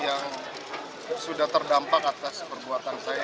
yang sudah terdampak atas perbuatan saya